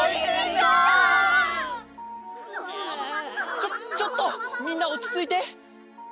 ちょちょっとみんなおちついて。